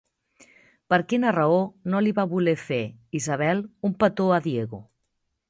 Per quina raó no li va voler fer Isabel un petó a Diego?